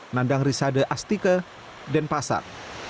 nandang risade astike dan pasar